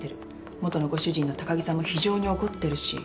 元のご主人の高木さんも非常に怒ってるし。